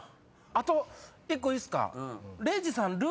あと１個いいっすか？